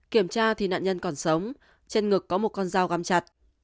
kiểm tra thì nạn nhân còn sống trên ngực có một con dao găm chặt